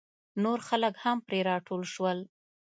نور خلک هم پرې راټول شول.